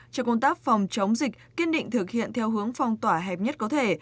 cho công tác phòng chống dịch kiên định thực hiện theo hướng phong tỏa hẹp nhất có thể